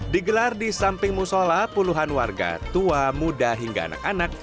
digelar di samping musola puluhan warga tua muda hingga anak anak